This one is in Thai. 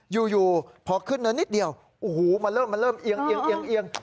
อยู่พอขึ้นเนื้อนิดเดียวมันเริ่มเอียง